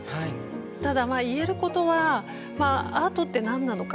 ただまあ言えることは「アートって何なのか？」。